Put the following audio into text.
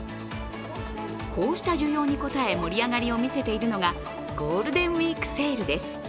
こうした需要に応え、盛り上がりを見せているのがゴールデンウイークセールです。